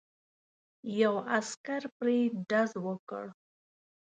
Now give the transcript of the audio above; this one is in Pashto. یو عسکر پرې ډز وکړ.